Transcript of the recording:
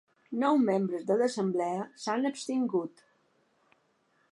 Nou membres de l’assemblea s’han abstingut.